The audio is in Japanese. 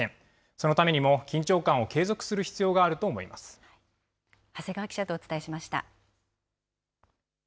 そのためにも緊張感を継続する必長谷川記者とお伝えしました。